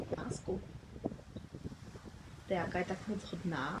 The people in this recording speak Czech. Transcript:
Poté je tento týdeník zcela nahradil.